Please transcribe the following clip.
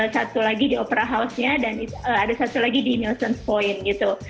satu lagi di opera house nya dan ada satu lagi di nielsen point gitu